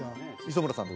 磯村さん